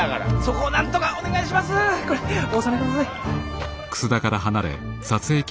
これお納めください。